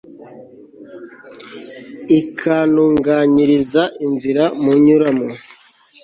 ikantunganyiriza inzira nyuramo